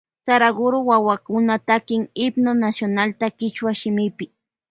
Saraguro wawakuna takin himno nacionalta kichwa shimipi.